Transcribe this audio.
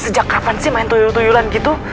sejak kapan sih main tuyul tuyulan gitu